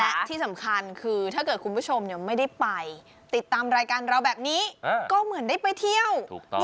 และที่สำคัญคือถ้าเกิดคุณผู้ชมไม่ได้ไปติดตามรายการเราแบบนี้ก็เหมือนได้ไปเที่ยว